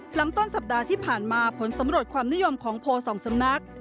หลังต้นสัปดาห์ที่ผ่านมาผลสำรวจความนิยมของโพลสองสำนัก